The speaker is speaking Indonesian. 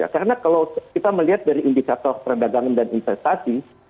karena kalau kita melihat dari indikator perdagangan dan investasi